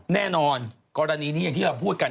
แน่นอนกรณีนี้อย่างที่เราพูดกัน